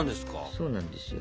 そうなんですよ。